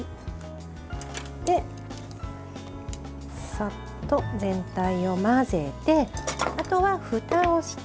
さっと全体を混ぜてあとはふたをして。